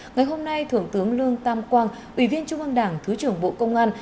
ngày hôm nay thượng tướng lương tam quang ủy viên trung an đảng thứ trưởng bộ công an